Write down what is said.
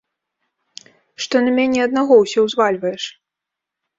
Што на мяне аднаго ўсё ўзвальваеш?